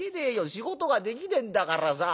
仕事ができねえんだからさ。